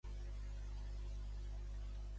La mateixa Cia.